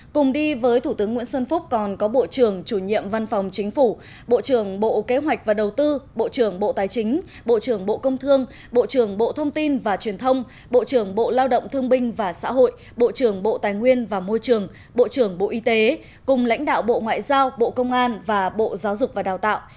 cùng đi với thủ tướng nguyễn xuân phúc còn có bộ trưởng chủ nhiệm văn phòng chính phủ bộ trưởng bộ kế hoạch và đầu tư bộ trưởng bộ tài chính bộ trưởng bộ công thương bộ trưởng bộ thông tin và truyền thông bộ trưởng bộ lao động thương binh và xã hội bộ trưởng bộ tài nguyên và môi trường bộ trưởng bộ y tế cùng lãnh đạo bộ ngoại giao bộ công an và bộ giáo dục và đào tạo